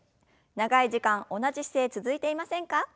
長い時間同じ姿勢続いていませんか？